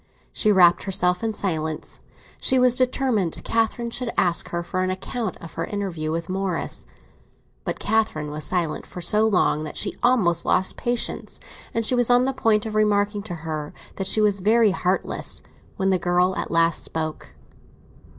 She wrapped herself in silence; she was determined Catherine should ask her for an account of her interview with Morris. But Catherine was silent for so long, that she almost lost patience; and she was on the point of remarking to her that she was very heartless, when the girl at last spoke.